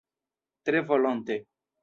Tre volonte!